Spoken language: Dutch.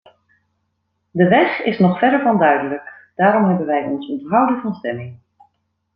De weg is nog verre van duidelijk, daarom hebben wij ons onthouden van stemming.